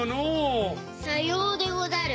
さようでござる。